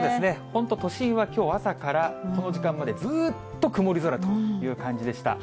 本当、都心はきょう、朝からこの時間まで、ずっと曇り空という感じでした。